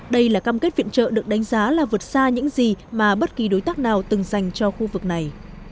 đây là cam kết viện trợ được đánh giá là vượt xa những gì mà bất kỳ đối tác nào từng dành cho khu vực này